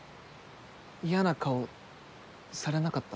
嫌な顔されなかった？